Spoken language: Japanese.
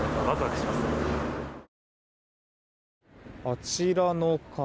あちらの方